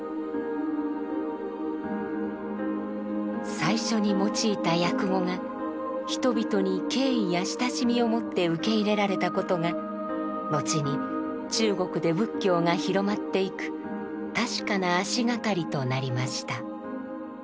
最初に用いた訳語が人々に敬意や親しみをもって受け入れられたことがのちに中国で仏教が広まっていく確かな足がかりとなりました。